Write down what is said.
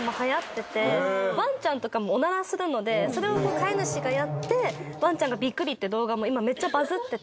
ワンちゃんとかもオナラするのでそれを飼い主がやってワンちゃんがビックリっていう動画も今メッチャバズってて。